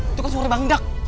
itu kan suara bangdak